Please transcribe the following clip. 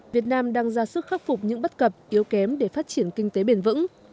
việt nam đang ra sức khắc phục những bất cập yếu kém để phát triển kinh tế bền vững